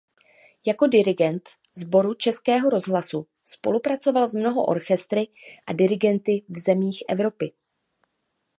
Jako dirigent Sboru Českého rozhlasu spolupracoval s mnoho orchestry a dirigenty v zemích Evropy.